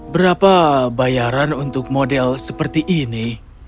berapa bayaran untuk model seperti ini